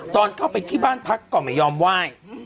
ตอนเข้าไปที่บ้านพักก็ไม่ยอมไหว้